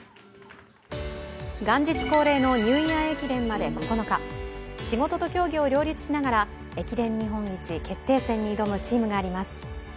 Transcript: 元日恒例のニューイヤー駅伝まで９日、仕事と競技を両立しながら駅伝日本一決定戦に臨むチームがあります。